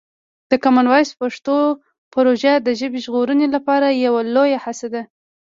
د کامن وایس پښتو پروژه د ژبې ژغورنې لپاره یوه لویه هڅه ده.